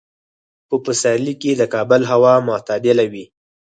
په پسرلي کې د کابل هوا معتدله وي.